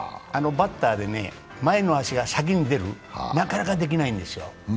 バッターで前の足が先に出る、なかなかできないんですよ。